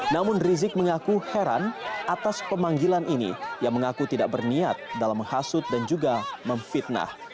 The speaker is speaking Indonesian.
namun rizik mengaku heran atas pemanggilan ini ia mengaku tidak berniat dalam menghasut dan juga memfitnah